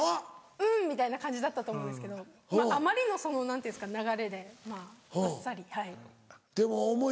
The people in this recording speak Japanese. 「うん」みたいな感じだったと思うんですけどあまりのその何ていうんですか流れでまぁあっさりはい。